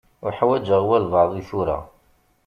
Uḥwaǧeɣ walebɛaḍ i tura.